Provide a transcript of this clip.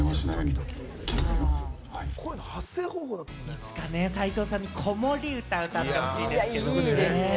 いつかね、齊藤さんに子守歌を歌ってほしいですね。